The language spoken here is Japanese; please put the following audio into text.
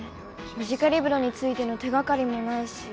ムジカリブロについての手がかりもないし。